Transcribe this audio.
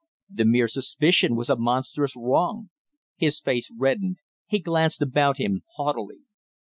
The mere suspicion was a monstrous wrong! His face reddened; he glanced about him haughtily.